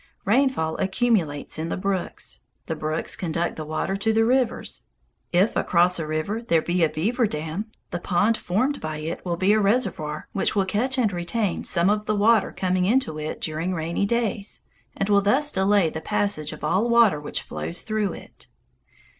Rainfall accumulates in the brooks. The brooks conduct the water to the rivers. If across a river there be a beaver dam, the pond formed by it will be a reservoir which will catch and retain some of the water coming into it during rainy days, and will thus delay the passage of all water which flows through it.